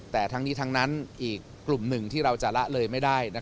แต่ทั้งนี้ทั้งนั้นอีกกลุ่มหนึ่งที่เราจะละเลยไม่ได้